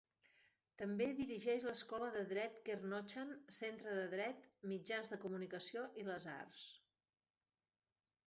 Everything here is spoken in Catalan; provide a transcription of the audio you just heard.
També dirigeix l'escola de dret Kernochan centre de dret, mitjans de comunicació i les Arts.